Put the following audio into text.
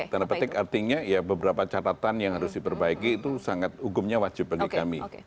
tanda petik artinya ya beberapa catatan yang harus diperbaiki itu sangat hukumnya wajib bagi kami